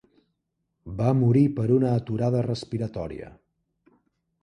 Va morir per una aturada respiratòria.